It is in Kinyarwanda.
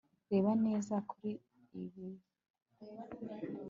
Reba neza kuri ibi